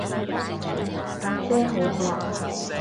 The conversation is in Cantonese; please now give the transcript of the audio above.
呀姐好惡